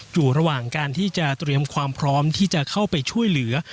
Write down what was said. อยู่ระหว่างการที่จะเตรียมความพร้อมที่จะเข้าไปช่วยเหลือ